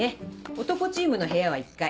男チームの部屋は１階。